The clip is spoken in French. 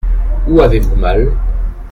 Où avez-vous mal ?